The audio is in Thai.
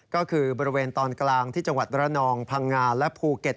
ก็คือบริเวณตอนกลางที่จังหวัดระนองพังงาและภูเก็ต